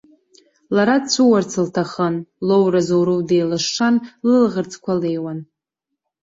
Лара дҵәыуарц лҭахын, лоуразоуроу деилышшан, лылаӷырӡқәа леиуан.